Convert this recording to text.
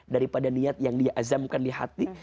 daripada niat yang dia azamkan di hati